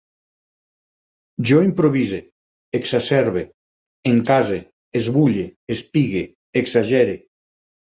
Jo improvise, exacerbe, encase, esbulle, espigue, exagere